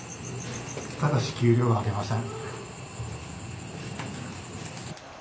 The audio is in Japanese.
ただし給料は上げません。